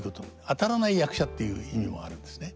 当たらない役者っていう意味もあるんですね。